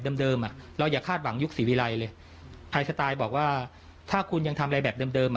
เดิมอ่ะเราอย่าคาดหวังยุคศรีวิรัยเลยใครสไตล์บอกว่าถ้าคุณยังทำอะไรแบบเดิม